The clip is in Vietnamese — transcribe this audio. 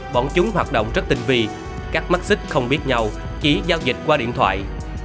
bọn chúng hoạt động rất tinh vi các mắt xích không biết nhau chỉ giao dịch qua điện thoại